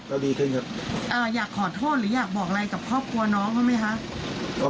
ดีขึ้นครับอยากขอโทษหรืออยากบอกอะไรกับครอบครัวน้องเขาไหมคะ